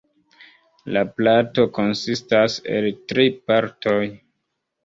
La plato konsistas el tri partoj.